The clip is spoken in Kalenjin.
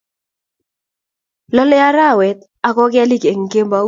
lolei arawet ak kokelik eng' kemopu